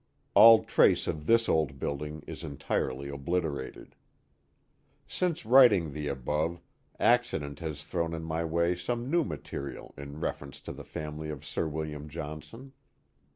All trace of this old building is entirely obliterated. Since writing the above, accident has thrown in my way some new material in reference to the family of Sir William Johnson.